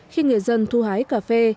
khi người dân thu hái cà phê